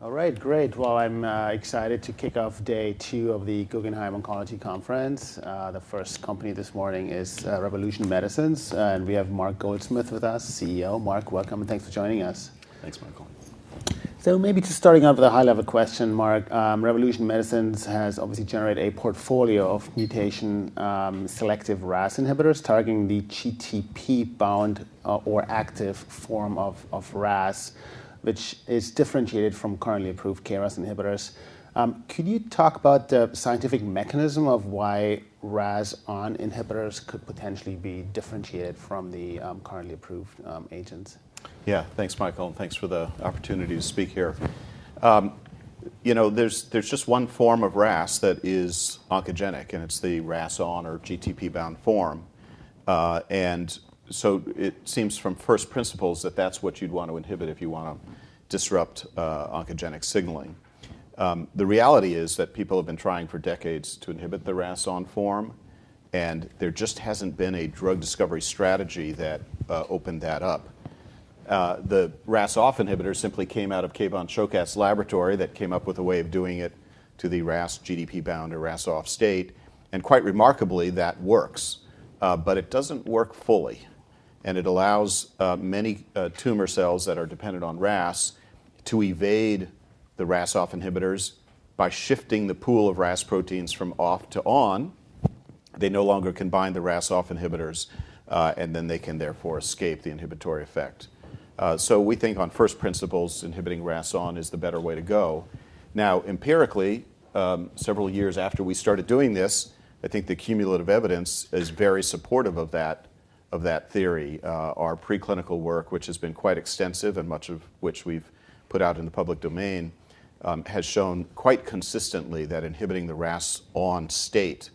All right, great. Well, I'm excited to kick off day two of the Guggenheim Oncology Conference. The first company this morning is Revolution Medicines, and we have Mark Goldsmith with us, CEO. Mark, welcome, and thanks for joining us. Thanks, Michael. Maybe just starting off with a high-level question, Mark, Revolution Medicines has obviously generated a portfolio of mutation selective RAS inhibitors targeting the GTP-bound or active form of RAS, which is differentiated from currently approved KRAS inhibitors. Could you talk about the scientific mechanism of why RAS(ON) inhibitors could potentially be differentiated from the currently approved agents? Yeah. Thanks, Michael. Thanks for the opportunity to speak here. You know, there's just one form of RAS that is oncogenic. It's the RAS(ON) or GTP-bound form. It seems from first principles that that's what you'd want to inhibit if you wanna disrupt oncogenic signaling. The reality is that people have been trying for decades to inhibit the RAS(ON) form. There just hasn't been a drug discovery strategy that opened that up. The RAS(OFF) inhibitor simply came out of Kevan Shokat's laboratory that came up with a way of doing it to the RAS GDP-bound or RAS(OFF) state. Quite remarkably, that works. It doesn't work fully, and it allows many tumor cells that are dependent on RAS to evade the RAS(OFF) inhibitors by shifting the pool of RAS proteins from off to on, they no longer can bind the RAS(OFF) inhibitors, and then they can therefore escape the inhibitory effect. We think on first principles, inhibiting RAS(ON) is the better way to go. Empirically, several years after we started doing this, I think the cumulative evidence is very supportive of that, of that theory. Our preclinical work, which has been quite extensive and much of which we've put out in the public domain, has shown quite consistently that inhibiting the RAS(ON) state,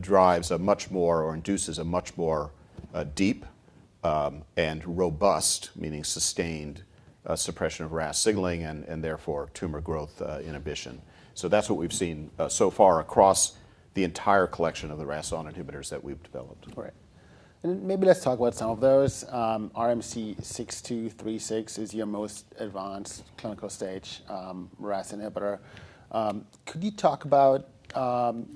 drives a much more, or induces a much more, deep, and robust, meaning sustained, suppression of RAS signaling and therefore tumor growth, inhibition. That's what we've seen so far across the entire collection of the RAS(ON) inhibitors that we've developed. Right. Maybe let's talk about some of those. RMC-6236 is your most advanced clinical stage, RAS inhibitor. Could you talk about,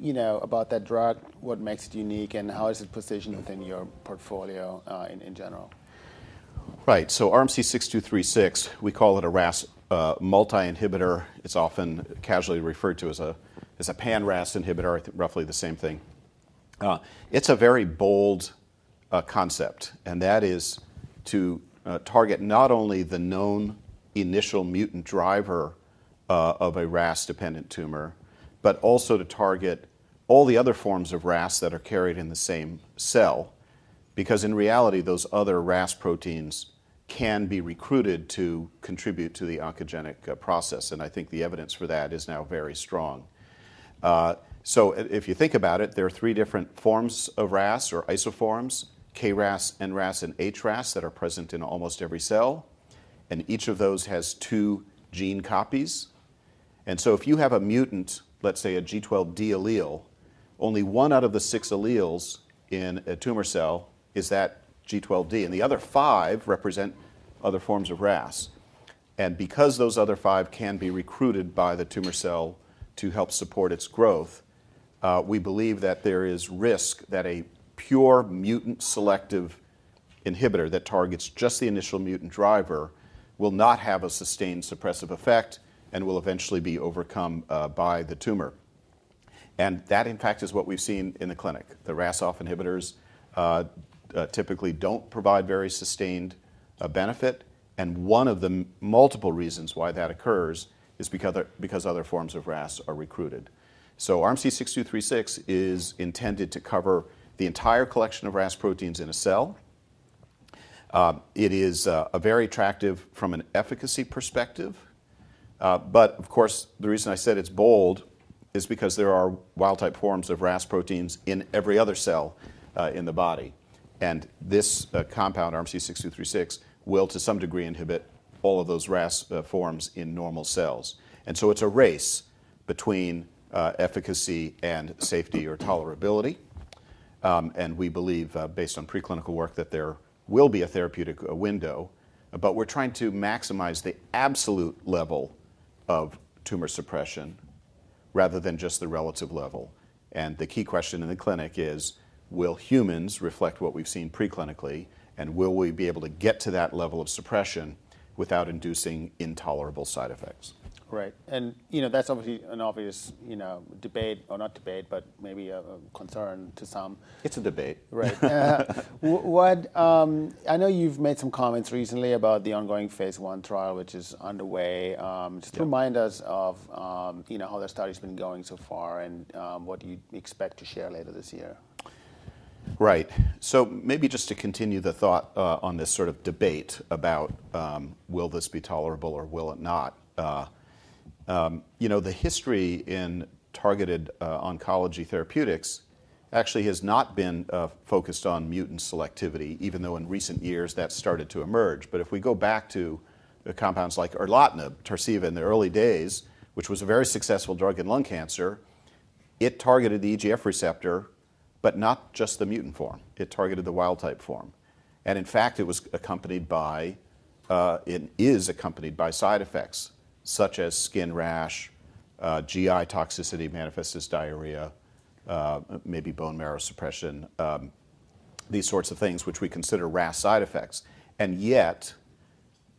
you know, about that drug, what makes it unique, and how is it positioned within your portfolio, in general? Right. RMC-6236, we call it a RAS multi-inhibitor. It's often casually referred to as a pan-RAS inhibitor, roughly the same thing. It's a very bold concept, and that is to target not only the known initial mutant driver of a RAS-dependent tumor, but also to target all the other forms of RAS that are carried in the same cell because, in reality, those other RAS proteins can be recruited to contribute to the oncogenic process, and I think the evidence for that is now very strong. If you think about it, there are three different forms of RAS or isoforms, KRAS, NRAS, and HRAS, that are present in almost every cell, and each of those has two gene copies. If you have a mutant, let's say a G12D allele, only one out of the six alleles in a tumor cell is that G12D, and the other five represent other forms of RAS. Because those other five can be recruited by the tumor cell to help support its growth, we believe that there is risk that a pure mutant-selective inhibitor that targets just the initial mutant driver will not have a sustained suppressive effect and will eventually be overcome by the tumor. That, in fact, is what we've seen in the clinic. The RAS-off inhibitors typically don't provide very sustained benefit, and one of the multiple reasons why that occurs is because other forms of RAS are recruited. RMC-6236 is intended to cover the entire collection of RAS proteins in a cell. It is a very attractive from an efficacy perspective, but of course, the reason I said it's bold is because there are wild-type forms of RAS proteins in every other cell in the body, and this compound, RMC-6236, will, to some degree, inhibit all of those RAS forms in normal cells. It's a race between efficacy and safety or tolerability, and we believe, based on preclinical work, that there will be a therapeutic window, but we're trying to maximize the absolute level of tumor suppression rather than just the relative level. The key question in the clinic is will humans reflect what we've seen preclinically, and will we be able to get to that level of suppression without inducing intolerable side effects? Right. You know, that's obviously an obvious, you know, debate, or not debate, but maybe a concern to some. It's a debate. Right. What, I know you've made some comments recently about the ongoing phase I trial, which is underway. Yeah... just remind us of, you know, how that study's been going so far and, what you expect to share later this year. Right. Maybe just to continue the thought on this sort of debate about will this be tolerable or will it not. You know, the history in targeted oncology therapeutics actually has not been focused on mutant selectivity, even though in recent years that's started to emerge. If we go back to the compounds like erlotinib, Tarceva, in the early days, which was a very successful drug in lung cancer. It targeted the EGF receptor, but not just the mutant form. It targeted the wild type form. In fact, it was accompanied by, it is accompanied by side effects such as skin rash, GI toxicity manifests as diarrhea, maybe bone marrow suppression, these sorts of things which we consider RAS side effects. Yet,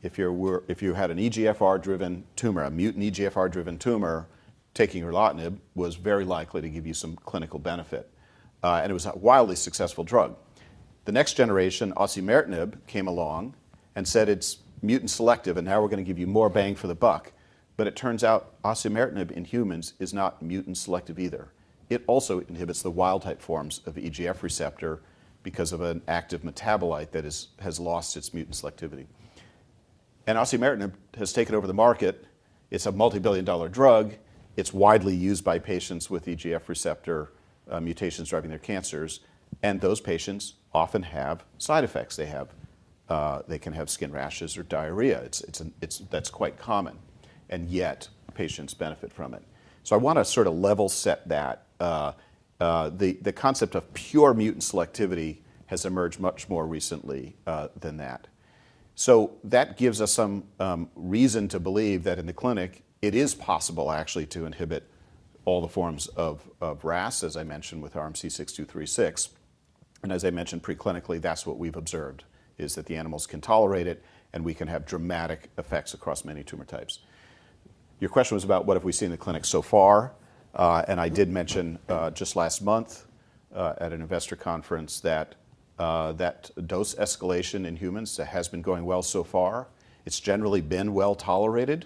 if you had an EGFR-driven tumor, a mutant EGFR-driven tumor, taking erlotinib was very likely to give you some clinical benefit. It was a wildly successful drug. The next generation, osimertinib, came along and said it's mutant selective, and now we're gonna give you more bang for the buck. It turns out osimertinib in humans is not mutant selective either. It also inhibits the wild type forms of EGF receptor because of an active metabolite that is, has lost its mutant selectivity. Osimertinib has taken over the market. It's a multibillion-dollar drug. It's widely used by patients with EGF receptor mutations driving their cancers, those patients often have side effects. They have, they can have skin rashes or diarrhea. That's quite common, yet patients benefit from it. I want to sort of level set that. The concept of pure mutant selectivity has emerged much more recently than that. That gives us some reason to believe that in the clinic it is possible actually to inhibit all the forms of RAS, as I mentioned with RMC-6236, and as I mentioned preclinically, that's what we've observed, is that the animals can tolerate it, and we can have dramatic effects across many tumor types. Your question was about what have we seen in the clinic so far, I did mention just last month at an investor conference that dose escalation in humans has been going well so far. It's generally been well-tolerated.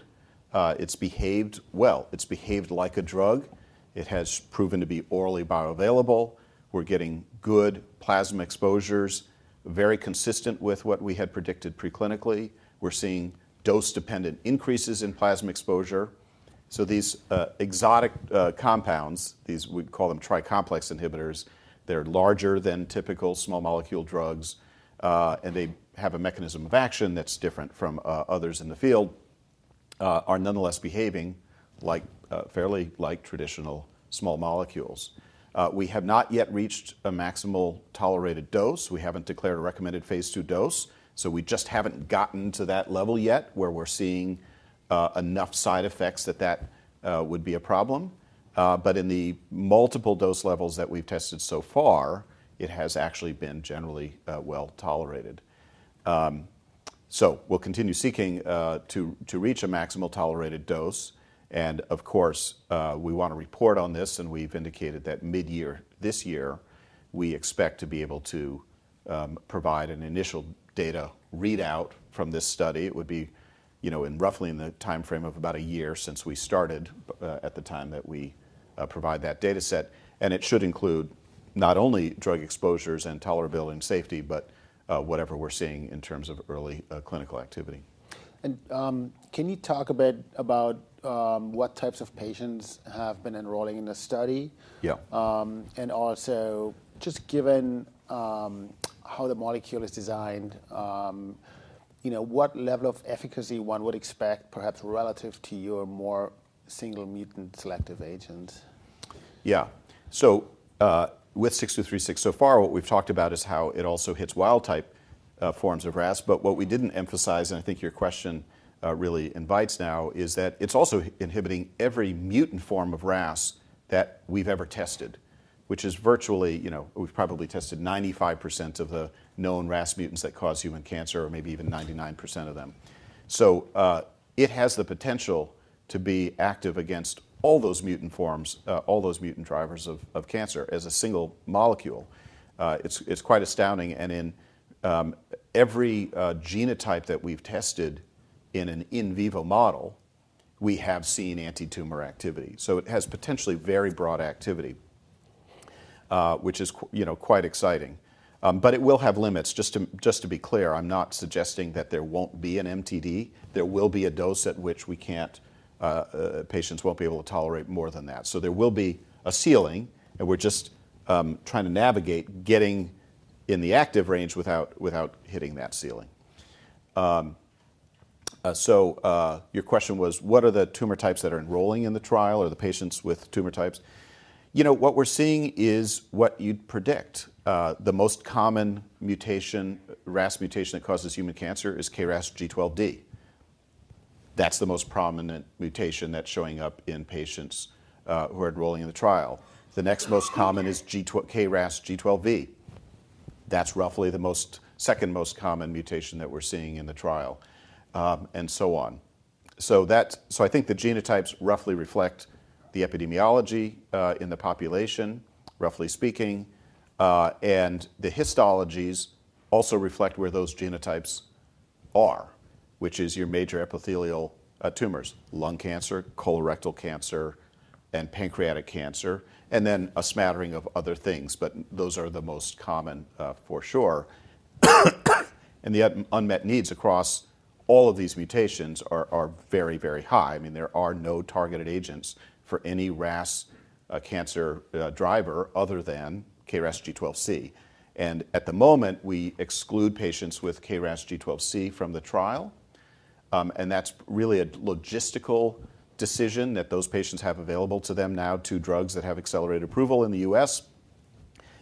It's behaved well. It's behaved like a drug. It has proven to be orally bioavailable. We're getting good plasma exposures, very consistent with what we had predicted preclinically. We're seeing dose-dependent increases in plasma exposure. These exotic compounds, these we call them tri-complex inhibitors, they're larger than typical small molecule drugs, and they have a mechanism of action that's different from others in the field, are nonetheless behaving like fairly like traditional small molecules. We have not yet reached a maximal tolerated dose. We haven't declared a recommended phase II dose, so we just haven't gotten to that level yet where we're seeing enough side effects that that would be a problem. In the multiple dose levels that we've tested so far, it has actually been generally well tolerated. We'll continue seeking to reach a maximal tolerated dose. Of course, we wanna report on this. We've indicated that midyear this year we expect to be able to provide an initial data readout from this study. It would be, you know, in roughly in the timeframe of about a year since we started at the time that we provide that dataset. It should include not only drug exposures and tolerability and safety, but whatever we're seeing in terms of early clinical activity. Can you talk a bit about, what types of patients have been enrolling in the study? Yeah. Also just given, how the molecule is designed, you know, what level of efficacy one would expect perhaps relative to your more single mutant selective agent? Yeah. With RMC-6236, so far what we've talked about is how it also hits wild type forms of RAS, but what we didn't emphasize, and I think your question really invites now, is that it's also inhibiting every mutant form of RAS that we've ever tested, which is virtually, you know, we've probably tested 95% of the known RAS mutants that cause human cancer or maybe even 99% of them. It has the potential to be active against all those mutant forms, all those mutant drivers of cancer as a single molecule. It's, it's quite astounding and in every genotype that we've tested in an in vivo model we have seen antitumor activity. It has potentially very broad activity, you know, quite exciting. It will have limits. Just to be clear, I'm not suggesting that there won't be an MTD. There will be a dose at which we can't, patients won't be able to tolerate more than that. There will be a ceiling, and we're just trying to navigate getting in the active range without hitting that ceiling. Your question was what are the tumor types that are enrolling in the trial or the patients with tumor types? You know, what we're seeing is what you'd predict. The most common mutation, RAS mutation that causes human cancer is KRAS G12D. That's the most prominent mutation that's showing up in patients who are enrolling in the trial. The next most common is KRAS G12V. That's roughly the most, second most common mutation that we're seeing in the trial, and so on. I think the genotypes roughly reflect the epidemiology in the population, roughly speaking, and the histologies also reflect where those genotypes are, which is your major epithelial tumors: lung cancer, colorectal cancer, and pancreatic cancer, and then a smattering of other things, but those are the most common for sure. The unmet needs across all of these mutations are very, very high. I mean, there are no targeted agents for any RAS cancer driver other than KRAS G12C. At the moment, we exclude patients with KRAS G12C from the trial. That's really a logistical decision that those patients have available to them now, two drugs that have accelerated approval in the U.S.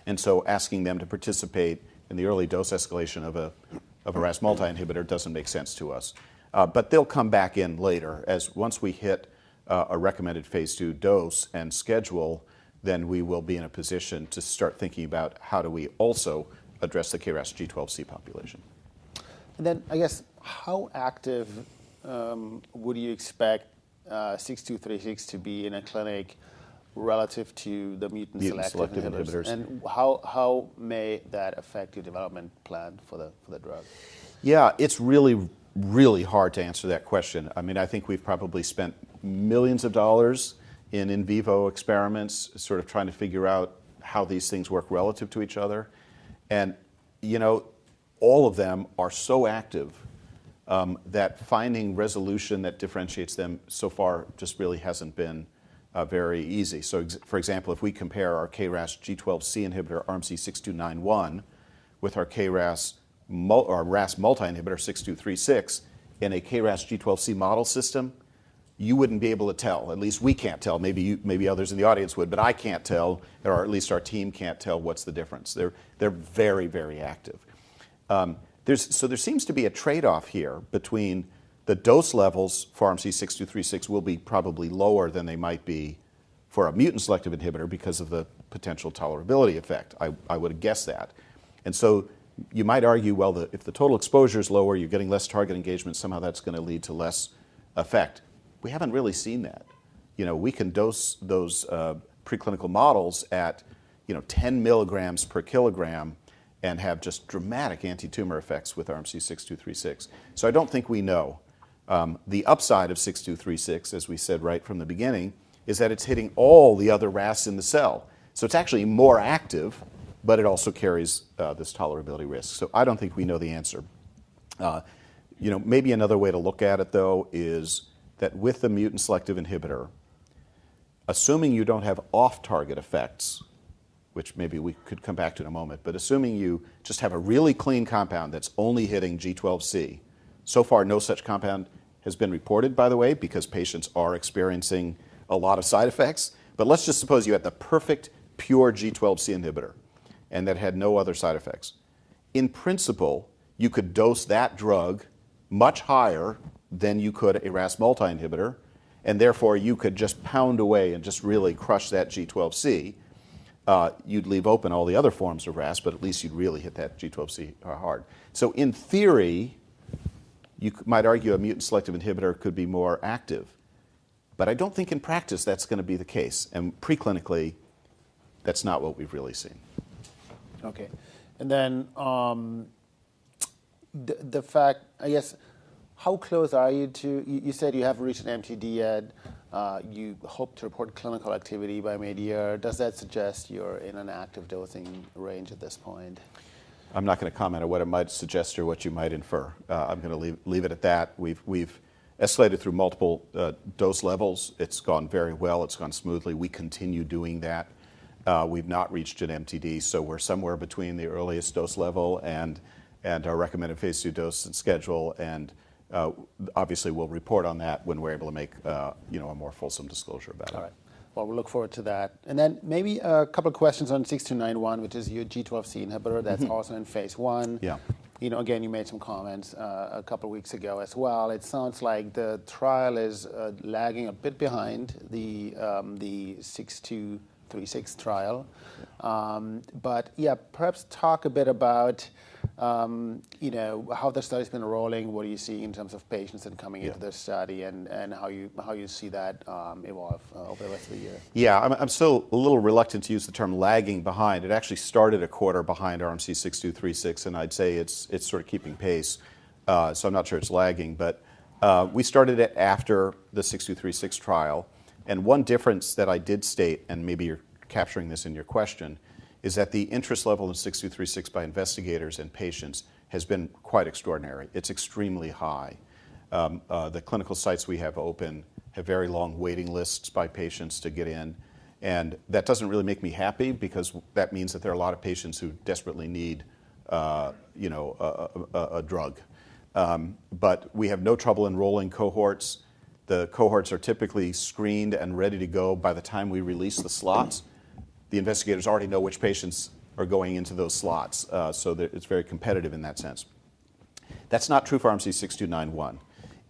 Asking them to participate in the early dose escalation of a RAS multi-inhibitor doesn't make sense to us. They'll come back in later as once we hit a recommended phase II dose and schedule, we will be in a position to start thinking about how do we also address the KRAS G12C population. I guess how active would you expect RMC-6236 to be in a clinic relative to the mutant selective inhibitors? Mutant selective inhibitors.... how may that affect your development plan for the drug? Yeah. It's really, really hard to answer that question. I mean, I think we've probably spent millions of dollars in vivo experiments sort of trying to figure out how these things work relative to each other. You know, all of them are so active that finding resolution that differentiates them so far just really hasn't been very easy. For example, if we compare our KRAS G12C inhibitor, RMC-6291, with our RAS multi-inhibitor 6236 in a KRAS G12C model system, you wouldn't be able to tell, at least we can't tell. Maybe you, maybe others in the audience would, I can't tell or at least our team can't tell what's the difference. They're very, very active. There's... There seems to be a trade-off here between the dose levels for RMC-6236 will be probably lower than they might be for a mutant-selective inhibitor because of the potential tolerability effect. I would guess that. You might argue, well, if the total exposure's lower, you're getting less target engagement, somehow that's gonna lead to less effect. We haven't really seen that. You know, we can dose those preclinical models at, you know, 10 mg/kg. and have just dramatic antitumor effects with RMC-6236. I don't think we know. The upside of 6236, as we said right from the beginning, is that it's hitting all the other RAS in the cell. It's actually more active, but it also carries this tolerability risk. I don't think we know the answer. You know, maybe another way to look at it though is that with the mutant selective inhibitor, assuming you don't have off-target effects, which maybe we could come back to in a moment, but assuming you just have a really clean compound that's only hitting G12C, so far no such compound has been reported by the way, because patients are experiencing a lot of side effects. Let's just suppose you had the perfect pure G12C inhibitor and that had no other side effects. In principle, you could dose that drug much higher than you could a RAS multi-inhibitor, and therefore you could just pound away and just really crush that G12C. You'd leave open all the other forms of RAS, but at least you'd really hit that G12C hard. In theory, you might argue a mutant selective inhibitor could be more active, but I don't think in practice that's gonna be the case, and preclinically that's not what we've really seen. Okay. The fact, I guess, how close are you to... You said you have reached an MTD yet. You hope to report clinical activity by midyear. Does that suggest you're in an active dosing range at this point? I'm not gonna comment on what it might suggest or what you might infer. I'm gonna leave it at that. We've escalated through multiple dose levels. It's gone very well. It's gone smoothly. We continue doing that. We've not reached an MTD, so we're somewhere between the earliest dose level and our recommended phase II dose and schedule, and obviously we'll report on that when we're able to make, you know, a more fulsome disclosure about it. All right. Well, we look forward to that. Maybe a couple of questions on 6291, which is your G12C inhibitor. Mm-hmm that's also in phase I. Yeah. You know, again, you made some comments a couple weeks ago as well. It sounds like the trial is lagging a bit behind the 6236 trial. Perhaps talk a bit about, you know, how the study's been rolling, what are you seeing in terms of patients that are coming- Yeah... into the study and how you see that evolve over the rest of the year. Yeah. I'm still a little reluctant to use the term lagging behind. It actually started a quarter behind RMC-6236, and I'd say it's sort of keeping pace. I'm not sure it's lagging. We started it after the 6236 trial, and one difference that I did state, and maybe you're capturing this in your question, is that the interest level of 6236 by investigators and patients has been quite extraordinary. It's extremely high. The clinical sites we have open have very long waiting lists by patients to get in, and that doesn't really make me happy because that means that there are a lot of patients who desperately need, you know, a drug. We have no trouble enrolling cohorts. The cohorts are typically screened and ready to go by the time we release the slots. The investigators already know which patients are going into those slots, so that it's very competitive in that sense. That's not true for RMC-6291.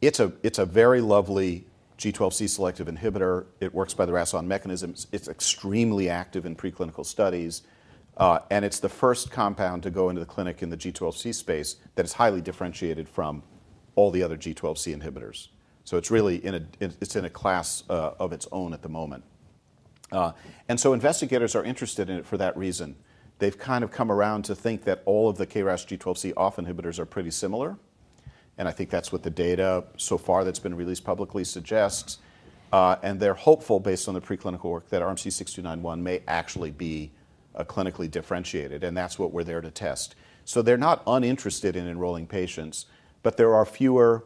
It's a, it's a very lovely G12C selective inhibitor. It works by the RAS(ON) mechanisms. It's extremely active in preclinical studies, and it's the first compound to go into the clinic in the G12C space that is highly differentiated from all the other G12C inhibitors. It's really in a, it's in a class of its own at the moment. Investigators are interested in it for that reason. They've kind of come around to think that all of the KRAS G12C RAS(OFF) inhibitors are pretty similar, and I think that's what the data so far that's been released publicly suggests. They're hopeful based on the preclinical work that RMC-6291 may actually be clinically differentiated, and that's what we're there to test. They're not uninterested in enrolling patients, but there are fewer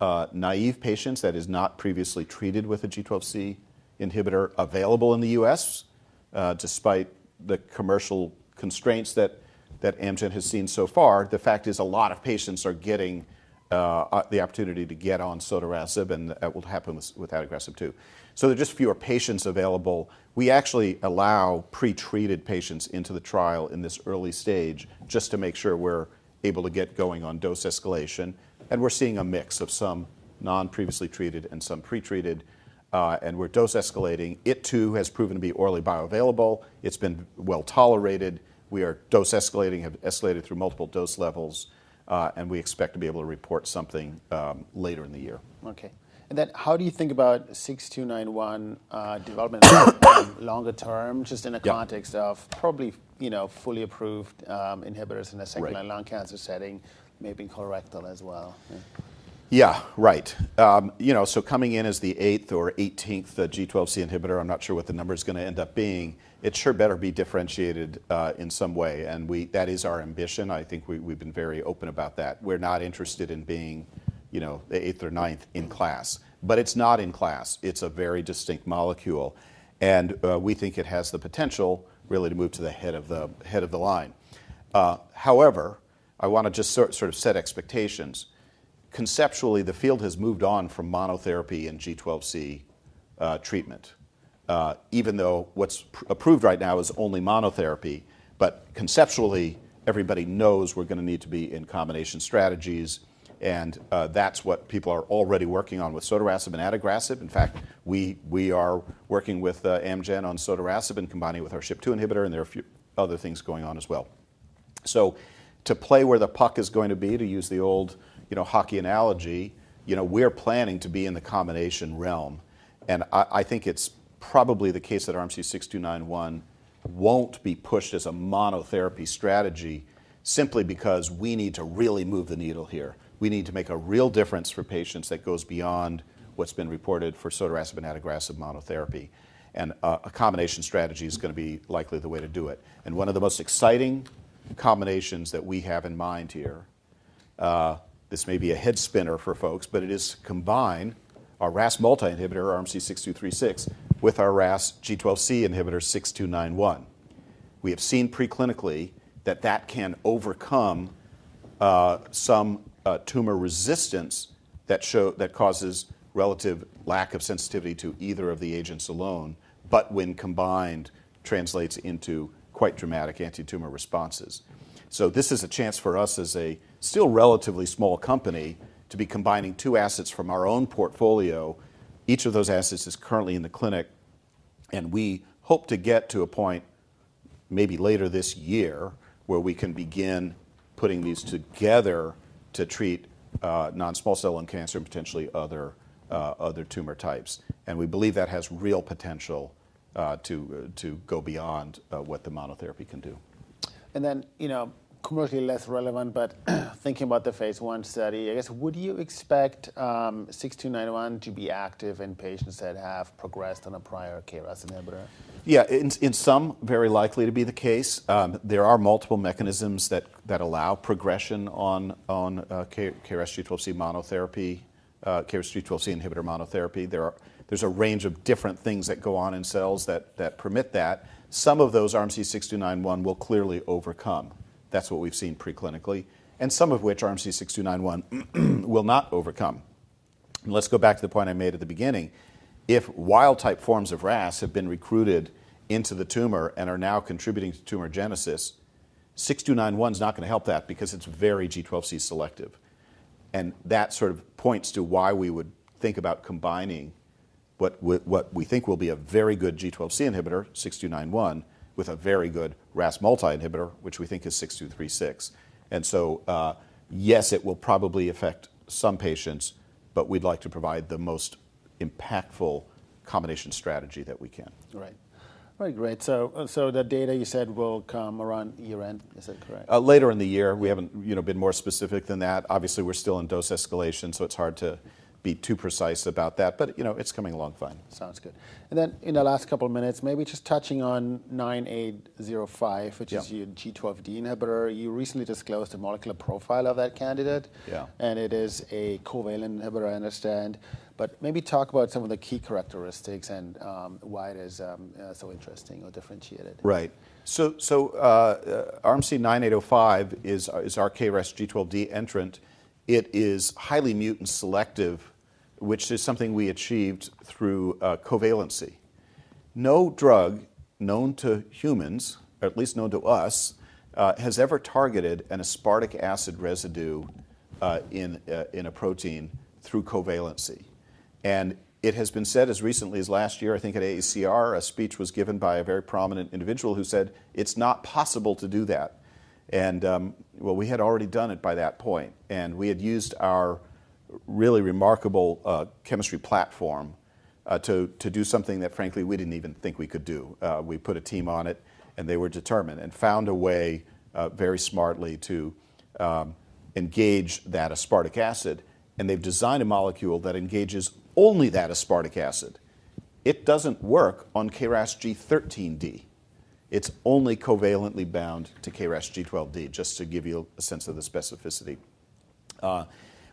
naive patients, that is not previously treated with a G12C inhibitor, available in the U.S. Despite the commercial constraints that Amgen has seen so far, the fact is a lot of patients are getting the opportunity to get on sotorasib, and that will happen with adagrasib too. There are just fewer patients available. We actually allow pre-treated patients into the trial in this early stage just to make sure we're able to get going on dose escalation. We're seeing a mix of some non-previously treated and some pre-treated, and we're dose escalating. It too has proven to be orally bioavailable. It's been well-tolerated. We are dose escalating, have escalated through multiple dose levels, and we expect to be able to report something later in the year. Okay. Then how do you think about RMC-6291 development longer term? Yeah... just in the context of probably, you know, fully approved, inhibitors in a second. Right line lung cancer setting, maybe colorectal as well? Yeah. Yeah. Right. you know, coming in as the eighth or eighteenth G12C inhibitor, I'm not sure what the number's gonna end up being, it sure better be differentiated in some way. That is our ambition. I think we've been very open about that. We're not interested in being, you know, the eighth or ninth in class. It's not in class. It's a very distinct molecule. We think it has the potential really to move to the head of the line. However, I wanna just sort of set expectations. Conceptually, the field has moved on from monotherapy and G12C treatment, even though what's p-approved right now is only monotherapy. Conceptually, everybody knows we're gonna need to be in combination strategies, that's what people are already working on with sotorasib and adagrasib. In fact, we are working with Amgen on sotorasib and combining with our SHP2 inhibitor, and there are a few other things going on as well. to play where the puck is going to be, to use the old, you know, hockey analogy, you know, we're planning to be in the combination realm, and I think it's probably the case that RMC-6291 won't be pushed as a monotherapy strategy simply because we need to really move the needle here. We need to make a real difference for patients that goes beyond what's been reported for sotorasib and adagrasib monotherapy. a combination strategy is gonna be likely the way to do it. One of the most exciting combinations that we have in mind here, this may be a head spinner for folks, but it is combine our RAS multi-inhibitor, RMC-6236, with our RAS G12C inhibitor RMC-6291. We have seen pre-clinically that that can overcome some tumor resistance that causes relative lack of sensitivity to either of the agents alone, but when combined translates into quite dramatic antitumor responses. This is a chance for us as a still relatively small company to be combining two assets from our own portfolio. Each of those assets is currently in the clinic, we hope to get to a point maybe later this year where we can begin putting these together to treat non-small cell lung cancer and potentially other other tumor types. We believe that has real potential, to go beyond what the monotherapy can do. You know, commercially less relevant, but thinking about the phase I study, I guess, would you expect 6291 to be active in patients that have progressed on a prior KRAS inhibitor? Yeah. In some, very likely to be the case. There are multiple mechanisms that allow progression on KRAS G12C monotherapy, KRAS G12C inhibitor monotherapy. There's a range of different things that go on in cells that permit that. Some of those RMC-6291 will clearly overcome. That's what we've seen pre-clinically, and some of which RMC-6291 will not overcome. Let's go back to the point I made at the beginning. If wild-type forms of RAS have been recruited into the tumor and are now contributing to tumor genesis, RMC-6291's not gonna help that because it's very G12C selective. That sort of points to why we would think about combining what we think will be a very good G12C inhibitor, RMC-6291, with a very good RAS multi-inhibitor, which we think is RMC-6236. Yes, it will probably affect some patients, but we'd like to provide the most impactful combination strategy that we can. Right. All right. Great. The data you said will come around year-end. Is that correct? Later in the year. Okay. We haven't, you know, been more specific than that. Obviously, we're still in dose escalation, so it's hard to be too precise about that. You know, it's coming along fine. Sounds good. In the last couple minutes, maybe just touching on 9805- Yeah... which is your G12D inhibitor. You recently disclosed the molecular profile of that candidate. Yeah. It is a covalent inhibitor, I understand. Maybe talk about some of the key characteristics and why it is so interesting or differentiated. RMC-9805 is our KRAS G12D entrant. It is highly mutant selective, which is something we achieved through covalency. No drug known to humans, or at least known to us, has ever targeted an aspartic acid residue in a protein through covalency. It has been said as recently as last year, I think at AACR, a speech was given by a very prominent individual who said it's not possible to do that. Well, we had already done it by that point, and we had used our really remarkable chemistry platform to do something that frankly we didn't even think we could do. We put a team on it, and they were determined and found a way very smartly to engage that aspartic acid, and they've designed a molecule that engages only that aspartic acid. It doesn't work on KRASG13D. It's only covalently bound to KRASG12D, just to give you a sense of the specificity.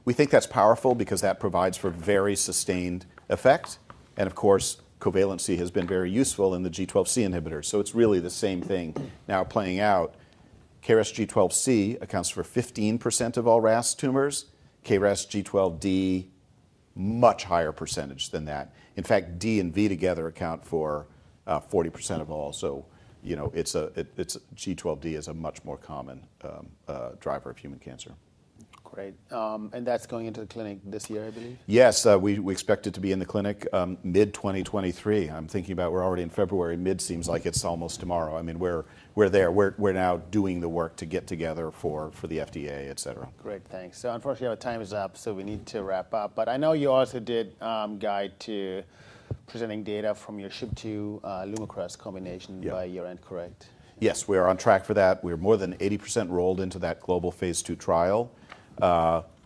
We think that's powerful because that provides for very sustained effect, and of course covalency has been very useful in the G12C inhibitor, so it's really the same thing now playing out. KRASG12C accounts for 15% of all RAS tumors. KRASG12D, much higher % than that. In fact, D and V together account for 40% of all. You know, it's G12D is a much more common driver of human cancer. Great. That's going into the clinic this year, I believe? Yes. We expect it to be in the clinic, mid-2023. I'm thinking about we're already in February. Mid seems like it's almost tomorrow. I mean, we're there. We're now doing the work to get together for the FDA, et cetera. Great. Thanks. Unfortunately, our time is up, so we need to wrap up. I know you also did, guide to presenting data from your SHP2, Lumakras. Yeah by year-end, correct? Yes. We are on track for that. We're more than 80% rolled into that global phase II trial.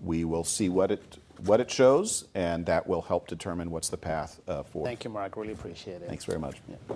We will see what it shows, and that will help determine what's the path forward. Thank you, Mark. Really appreciate it. Thanks very much. Yeah.